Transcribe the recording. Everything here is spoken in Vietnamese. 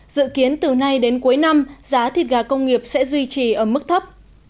dự kiến từ nay đến cuối năm giá thịt gà công nghiệp sẽ duy trì ở mức thấp